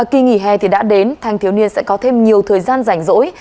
khi nghỉ hè đã đến thanh thiếu niên sẽ có thêm nhiều thời gian dành dỗi